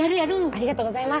ありがとうございます。